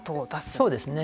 そうですね。